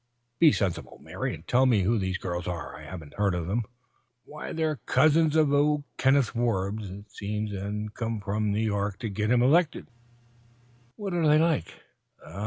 "Be sensible, Mary, and tell me who these girls are. I haven't heard of 'em." "Why, they're cousins o' Kenneth Forbes, it seems, an' come from New York to git him elected." "What are they like?"